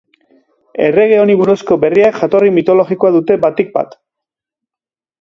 Errege honi buruzko berriak jatorri mitologikoa dute batik bat.